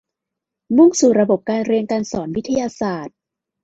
มุ่งสู่ระบบการเรียนการสอนวิทยาศาสตร์